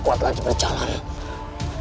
aku tidak bisa berjalan lagi